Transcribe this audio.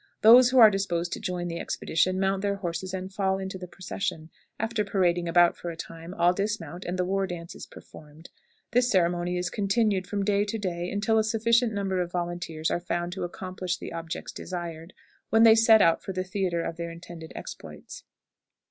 Those who are disposed to join the expedition mount their horses and fall into the procession; after parading about for a time, all dismount, and the war dance is performed. This ceremony is continued from day to day until a sufficient number of volunteers are found to accomplish the objects desired, when they set out for the theatre of their intended exploits.